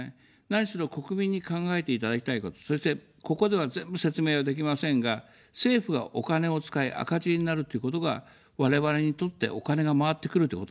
何しろ国民に考えていただきたいこと、そして、ここでは全部、説明ができませんが、政府がお金を使い赤字になるということが我々にとってお金が回ってくるということなんです。